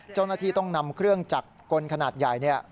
เจ้าหน้าที่ต้องนำเครื่องจักรกลขนาดใหญ่